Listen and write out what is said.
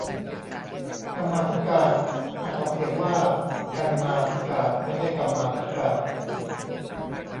กรรมาธิการ อ่านออกเสียงว่า กัน มา ทิ กาน ไม่ใช่ กัม มา ทิ กาน